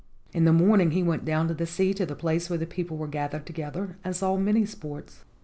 In the morning he went down to the sea to the place where the people were gathered together and saw many sports.